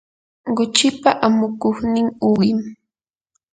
kuchipa amukuqnin uqim.